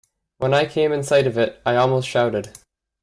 When I came in sight of it I almost shouted.